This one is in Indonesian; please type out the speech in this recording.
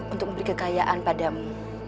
untuk memberi kekayaan padamu